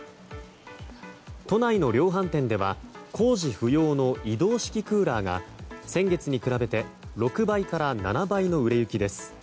都内の量販店では工事不要の移動式クーラーが先月に比べて６倍から７倍の売れ行きです。